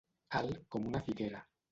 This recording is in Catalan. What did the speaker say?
Alt com una figuera.